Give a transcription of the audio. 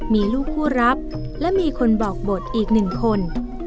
มีลูกคู่รับและมีคนบอกบทอีกหนึ่งคน